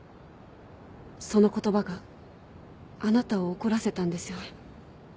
その言葉があなたを怒らせたんですよね。